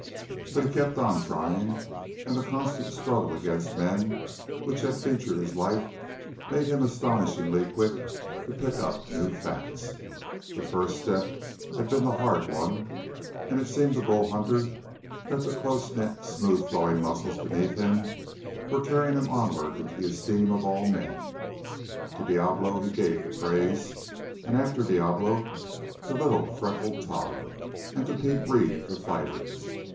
But he kept on trying, and the constant struggle against men which had featured his life made him astonishingly quick to pick up new facts. The first step had been the hard one, and it seemed to Bull Hunter that the close knit, smooth flowing muscles beneath him were carrying him onward into the esteem of all men. To Diablo he gave the praise, and after Diablo to little freckled Tod, and to Pete Reeve, the fighter.